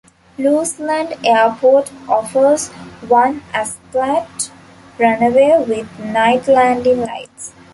Luseland Airport offers one asphalt runway with night landing lights.